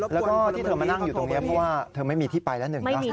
แล้วก็ที่เธอมานั่งอยู่ตรงนี้เพราะว่าเธอไม่มีที่ไปแล้วหนึ่งเนอะ